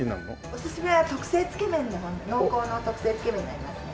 おすすめは特製つけ麺の濃厚の特製つけ麺になりますね。